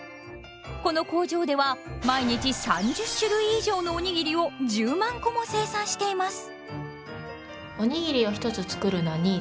この工場では毎日３０種類以上のおにぎりを１０万個も生産しています。